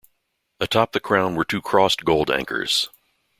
Atop the crown were two crossed gold anchors.